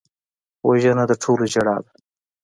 وژنه د ټولو ژړا ده